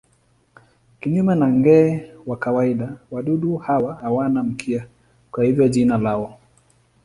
Kinyume na nge wa kawaida wadudu hawa hawana mkia, kwa hivyo jina lao.